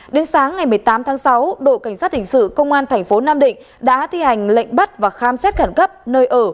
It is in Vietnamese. đến sáng ngày một mươi tám tháng sáu đội cảnh sát hình sự công an thành phố nam định đã thi hành lệnh bắt và khám xét khẩn cấp nơi ở